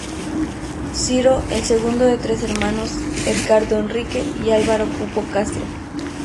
Ciro el segundo de tres hermanos: Edgardo Enrique y Álvaro Pupo Castro.